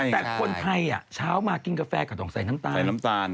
แต่คนไทยเช้ามากินกาแฟกระดองใส่น้ำตาล